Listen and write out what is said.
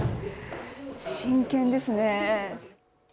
真剣ですね。